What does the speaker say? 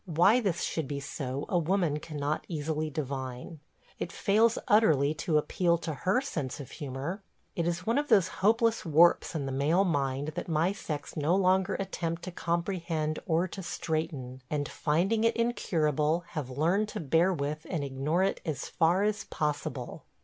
– Why this should be so a woman cannot easily divine. It fails utterly to appeal to her sense of humor. It is one of those hopeless warps in the male mind that my sex no longer attempt to comprehend or to straighten, and, finding it incurable, have learned to bear with and ignore it as far as possible.